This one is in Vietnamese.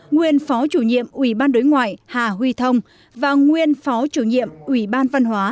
nguyên phó chủ nhiệm ủy ban đối ngoại hà huy thông và nguyên phó chủ nhiệm ủy ban văn hóa